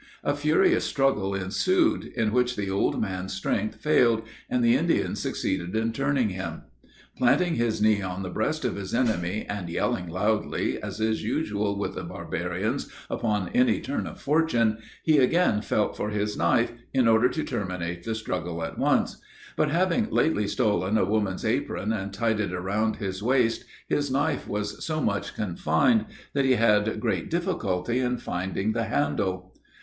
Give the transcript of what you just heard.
A furious struggle ensued, in which the old man's strength failed, and the Indian succeeded in turning him. Planting his knee on the breast of his enemy, and yelling loudly, as is usual with the barbarians upon any turn of fortune, he again felt for his knife, in order to terminate the struggle at once; but having lately stolen a woman's apron, and tied it around his waist, his knife was so much confined, that he had great difficulty in finding the handle.